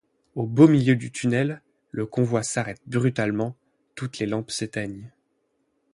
Au beau milieu du tunnel, le convoi s'arrête brutalement, toutes les lampes s'éteignent.